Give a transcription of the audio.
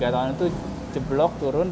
tiga tahun itu jeblok turun